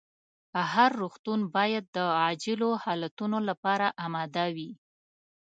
هر روغتون باید د عاجلو حالتونو لپاره اماده وي.